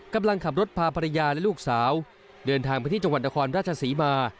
กำลังขับรถพาภรรยาและลูกสาวเดินทางไปที่จังหวัดนครราชศรีมา